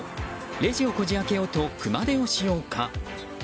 レジをこじ開けようと熊手を使用か。